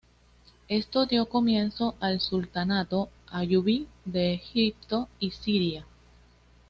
Esto dio comienzo al Sultanato ayubí de Egipto y Siria.